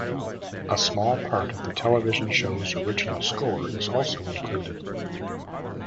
A small part of the television show's original score is also included.